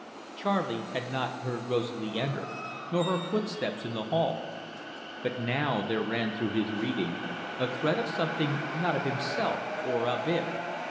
Charley had not heard Rosalie enter, nor her footsteps in the hall. But now there ran through his reading a thread of something not of himself or of it.